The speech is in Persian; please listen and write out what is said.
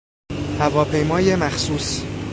هواپیمای مخصوص